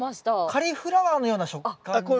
カリフラワーのような食感ですよね。